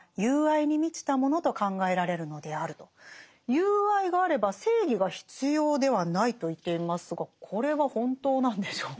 友愛があれば正義が必要ではないと言っていますがこれは本当なんでしょうか？